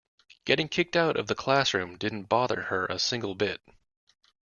Getting kicked out of the classroom didn't bother her a single bit.